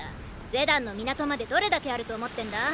ゼダンの港までどれだけあると思ってんだ。